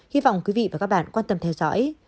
hy vọng quý vị và các bạn quan tâm theo dõi